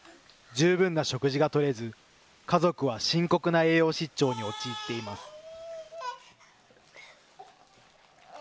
十分な食事がとれず、家族は深刻な栄養失調に陥っています。